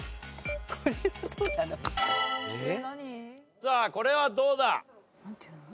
さあこれはどうだ？